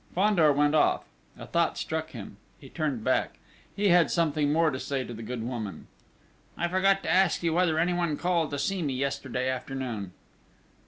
Fandor went off. A thought struck him. He turned back. He had something more to say to the good woman: "I forgot to ask you whether anyone called to see me yesterday afternoon!"